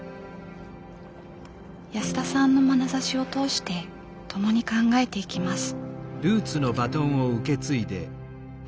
安田さんのまなざしを通して共に考えていきます。